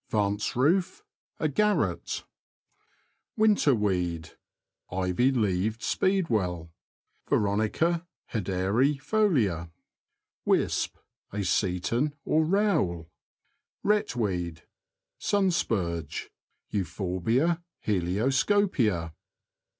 Vance roof. — A garret. Winter weed. — Ivy leaved speedwell [Veronica hederi folia). Wisp. — A seton or row^el. Wret WEED. — Sun spurge {Euphorbia helioscopia).